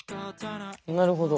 なるほど。